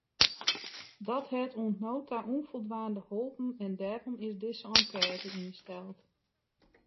Dat hat oant no ta ûnfoldwaande holpen en dêrom is dizze enkête ynsteld.